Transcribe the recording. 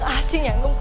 tapi musuh aku bobby